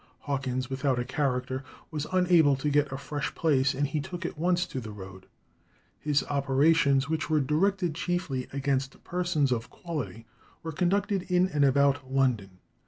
Hawkins, without a character, was unable to get a fresh place, and he took at once to the road. His operations, which were directed chiefly against persons of quality, were conducted in and about London.